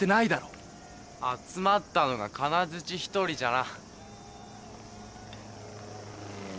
集まったのが金づち一人じゃな。